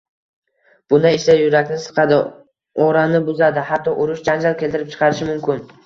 Bunday ishlar yurakni siqadi, orani buzadi, hatto urush-janjal keltirib chiqarishi mumkin.